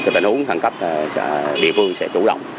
tình huống hẳn cách địa phương sẽ chủ động